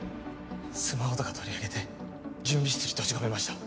スマホとか取り上げて準備室に閉じ込めました